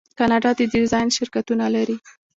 کاناډا د ډیزاین شرکتونه لري.